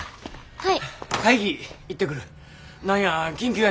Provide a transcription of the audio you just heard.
はい。